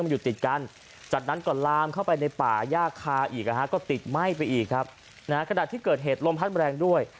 ยากคาอีกนะฮะก็ติดไหม้ไปอีกครับนะฮะกระดาษที่เกิดเหตุลมพัดแมลงด้วย